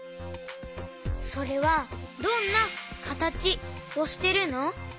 それはどんなかたちをしてるの？